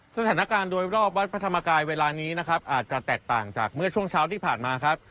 สถานการณ์โดยรอบวัดพระธรรมกายเวลานี้นะครับอาจจะแตกต่างจากเมื่อช่วงเช้าที่ผ่านมาครับ